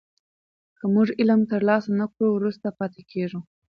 که موږ علم ترلاسه نه کړو وروسته پاتې کېږو.